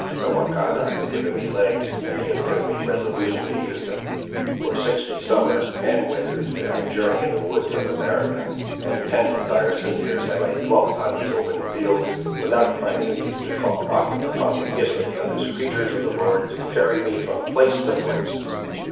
The Wahcondah has given me legs, and he has given me resolution to use them. For sixty summers and winters did I journey in the woods of America, and ten tiresome years have I dwelt on these open fields, without finding need to call often upon the gifts of the other creatur's of the Lord to carry me from place to place."